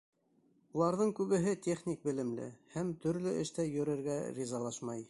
Уларҙың күбеһе техник белемле һәм төрлө эштә йөрөргә ризалашмай.